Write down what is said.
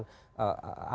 apa yang kita lakukan